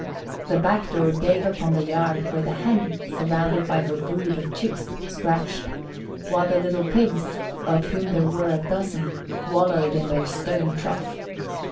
The back door gave upon the yard where the Hen, surrounded by her brood of Chicks, scratched, while the little Pigs, of whom there were a dozen, wallowed in their stone trough.